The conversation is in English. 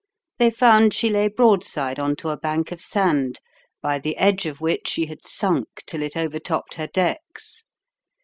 They found she lay broadside on to a bank of sand, by the edge of which she had sunk till it overtopped her decks.